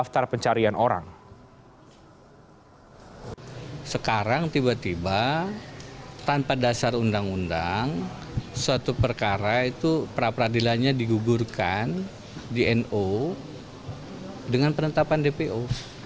tiba tiba tanpa dasar undang undang suatu perkara itu perapradilannya digugurkan di no dengan penetapan dpo